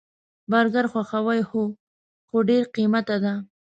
برګر خوښوئ؟ هو، خو ډیر قیمته ده